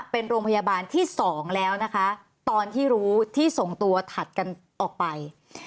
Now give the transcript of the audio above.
เป็นโรงพยาบาลที่๒แล้วนะคะตอนที่รู้ที่ส่งตัวถัดกันออกไป